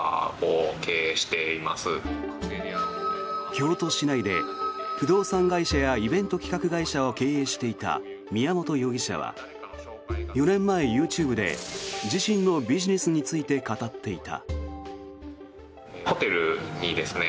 京都市内で不動産会社やイベント企画会社を経営していた宮本容疑者は４年前、ＹｏｕＴｕｂｅで自身のビジネスについて語っていた。